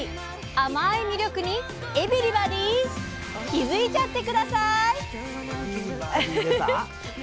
甘い魅力に「エビ」リバディー気付いちゃって下さい！